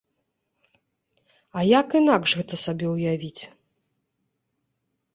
А як інакш гэта сабе ўявіць?